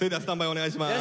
お願いします！